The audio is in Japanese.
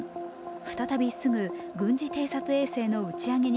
再びすぐ軍事偵察衛星の打ち上げに